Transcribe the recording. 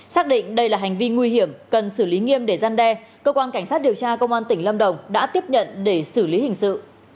xác định đây là hành vi nguy hiểm cần xử lý nghiêm để gian đe cơ quan cảnh sát điều tra công an tỉnh lâm đồng đã tiếp nhận để xử lý hình sự